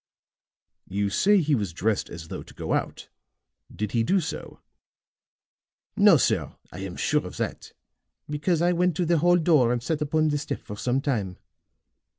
"You say he was dressed as though to go out. Did he do so?" "No, sir. I am sure of that, because I went to the hall door and sat upon the step for some time.